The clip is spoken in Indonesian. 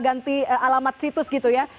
ganti alamat situs gitu ya